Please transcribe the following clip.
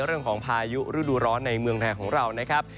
เรื่องของพายุฤดูร้อนในเมืองไทยของเรานะครับ